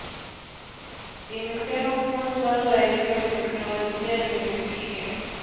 imesema kuwa swala la elimu ya teknologia limepiga